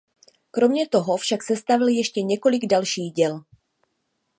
Kromě toho však sestavil ještě několik dalších děl.